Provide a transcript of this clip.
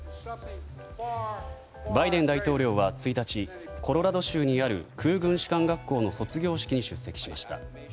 バイデン大統領は１日コロラド州にある空軍士官学校の卒業式に出席しました。